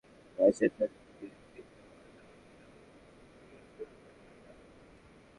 তাই আলোচনা জোরদারের মাধ্যমে রাশিয়ার সঙ্গে বিদ্যমান সমস্যাগুলো দূর করতে চান।